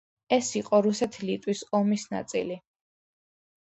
ეს იყო რუსეთ-ლიტვის ომის ნაწილი.